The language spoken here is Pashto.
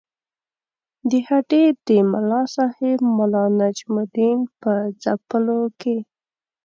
د هډې د ملاصاحب ملا نجم الدین په ځپلو کې.